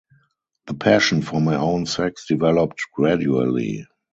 The passion for my own sex developed gradually.